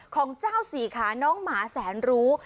ของเจ้าสี่ขาน้องหมาแสนรู้